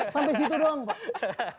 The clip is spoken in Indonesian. sampai situ doang pak